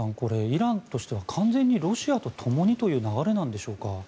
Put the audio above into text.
イランとしては完全にロシアとともにという流れなんでしょうか。